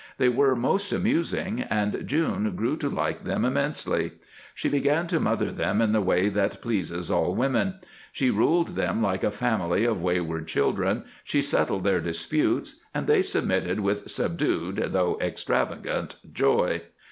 They were most amusing, and June grew to like them immensely. She began to mother them in the way that pleases all women. She ruled them like a family of wayward children, she settled their disputes, and they submitted with subdued, though extravagant, joy.